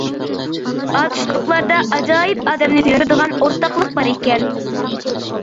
ئاتۇشلۇقلاردا ئاجايىپ ئادەمنى سۆيۈندۈرىدىغان ئورتاقلىق بار ئىكەن.